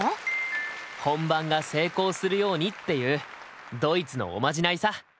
本番が成功するようにっていうドイツのおまじないさ。